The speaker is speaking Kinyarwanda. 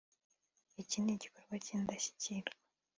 iki ni igikorwa cy’indashyikirwa